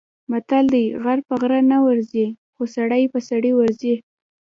متل دی: غر په غره نه ورځي، خو سړی په سړي ورځي.